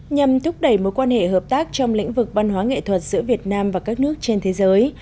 nhằm thúc đẩy mối quan hệ hợp tác trong lĩnh vực văn hóa nghệ thuật giữa việt nam và các nước trên thế giới